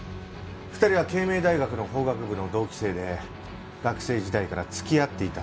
２人は啓明大学の法学部の同期生で学生時代から付き合っていたそうです。